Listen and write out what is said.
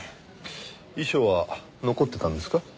遺書は残ってたんですか？